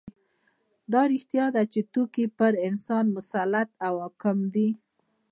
دا رښتیا ده چې توکي پر انسان مسلط او حاکم دي